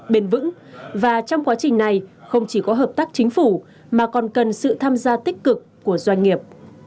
bền vững và trong quá trình này không chỉ có hợp tác chính phủ mà còn cần sự tham gia tích cực của doanh nghiệp